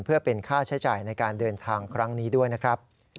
เพื่อเป็นค่าใช้จ่ายในการเดินทางครั้งนี้ด้วยนะครับ